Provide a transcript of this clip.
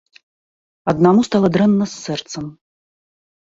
Аднаму стала дрэнна з сэрцам.